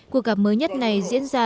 cuộc gặp mới nhất này diễn ra